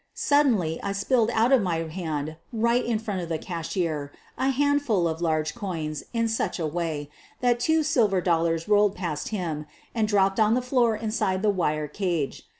Suddenly I spilled out of my hand right in front of the cashier a handful of large coins in such a way that two silver dollars rolled past him and dropped on the floor inside the wire cage.